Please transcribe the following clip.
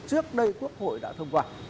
trước đây quốc hội đã thông qua